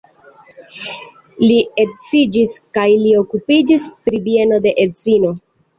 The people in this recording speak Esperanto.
Li edziĝis kaj li okupiĝis pri bieno de la edzino.